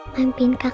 kasian dede askara